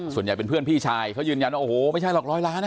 ส่วนใหญ่เป็นเพื่อนพี่ชายเขายืนยันว่าโอ้โหไม่ใช่หรอกร้อยล้านนะ